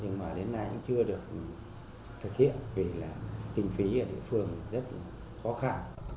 nhưng mà đến nay cũng chưa được thực hiện vì là kinh phí ở địa phương rất là khó khăn